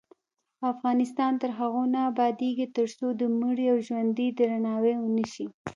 افغانستان تر هغو نه ابادیږي، ترڅو د مړي او ژوندي درناوی ونشي.